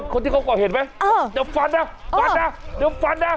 คนที่เขาก่อเหตุไหมเออเดี๋ยวฟันนะฟันนะเดี๋ยวฟันนะ